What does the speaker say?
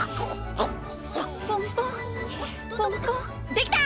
できた！